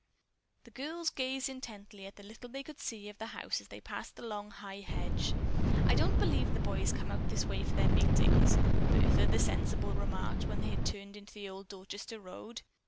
The girls gazed intently at the little they could see of the house as they passed the long high hedge. "I don't believe the boys come way out here for their meetings," Bertha, the sensible, remarked when they had turned into the old Dorchester road.